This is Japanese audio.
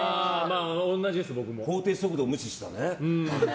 法定速度を無視したね。